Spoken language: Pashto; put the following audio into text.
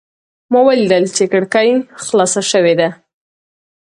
ما ولیدل چې کړکۍ خلاصه شوې ده.